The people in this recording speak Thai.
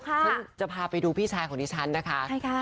ซึ่งจะพาไปดูพี่ชายของดิฉันนะคะใช่ค่ะ